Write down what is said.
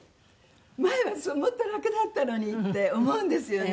前はもっと楽だったのにって思うんですよね。